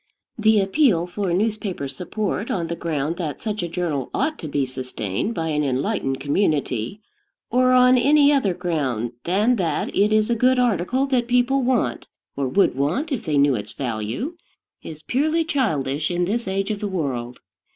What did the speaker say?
The appeal for newspaper support on the ground that such a journal ought to be sustained by an enlightened community, or on any other ground than that it is a good article that people want, or would want if they knew its value, is purely childish in this age of the world.